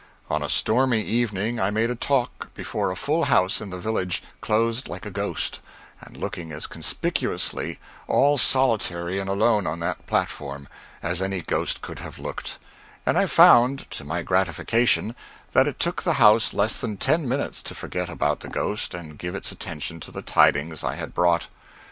On a stormy evening I made a talk before a full house, in the village, clothed like a ghost, and looking as conspicuously, all solitary and alone on that platform, as any ghost could have looked; and I found, to my gratification, that it took the house less than ten minutes to forget about the ghost and give its attention to the tidings I had brought.